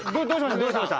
「どうしました？」